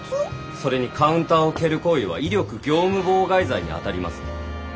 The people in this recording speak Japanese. それにカウンターを蹴る行為は威力業務妨害罪にあたります。